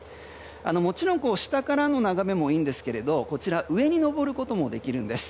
もちろん、下からの眺めもいいんですけれど上に上ることもできるんです。